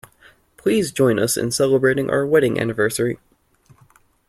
Please join us in celebrating our wedding anniversary